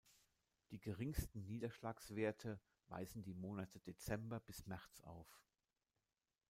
Die geringsten Niederschlagswerte weisen die Monate Dezember bis März auf.